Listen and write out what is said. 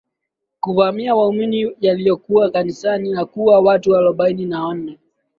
kuvamia waumini yaliokuwa kanisani na kuua watu arobaini na wanne